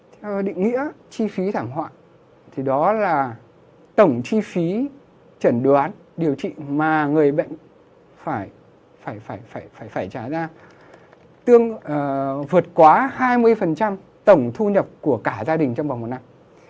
theo định nghĩa chi phí thảm họa thì đó là tổng chi phí chẩn đoán điều trị mà người bệnh phải trả ra vượt quá hai mươi tổng thu nhập của cả gia đình trong vòng một năm